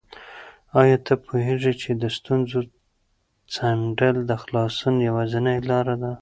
آیا ته پوهېږې چې د ستونزو څنډل د خلاصون یوازینۍ لاره ده؟